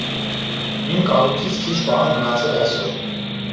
Հին կառույցից քիչ բան է մնացել այսօր։